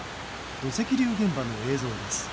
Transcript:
土石流現場の映像です。